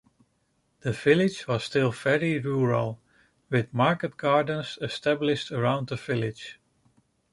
The village was still very rural, with market gardens established around the village.